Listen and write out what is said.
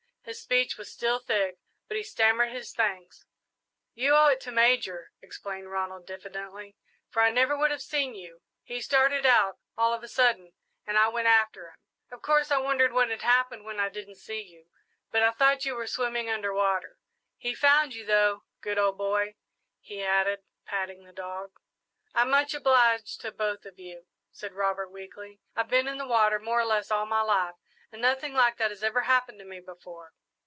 His speech was still thick, but he stammered his thanks. "You owe it to Major," explained Ronald, diffidently, "for I never would have seen you. He started out, all of a sudden, and I went after him. Of course I wondered what had happened when I didn't see you, but I thought you were swimming under water. He found you, though. Good old boy," he added, patting the dog. "I'm much obliged to both of you," said Robert weakly. "I've been in the water more or less all my life, and nothing like that ever happened to me before."